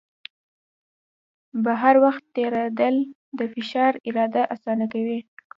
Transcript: بهر وخت تېرول د فشار اداره اسانه کوي.